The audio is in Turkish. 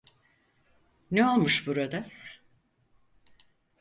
Ne olmuş burada?